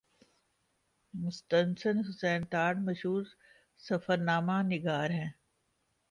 مستنصر حسین تارڑ مشہور سفرنامہ نگار ہیں۔